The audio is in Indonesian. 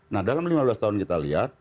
nah dalam lima belas tahun kita lihat